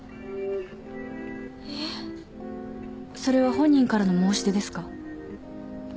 それは本人からの申し出ですか？